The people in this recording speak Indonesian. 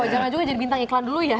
jangan juga jadi bintang iklan dulu ya